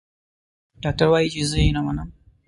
ډاکټر وايي چې زه يې نه منم.